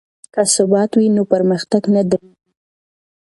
که ثبات وي نو پرمختګ نه دریږي.